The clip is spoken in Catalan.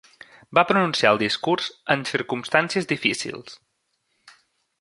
Va pronunciar el discurs en circumstàncies difícils.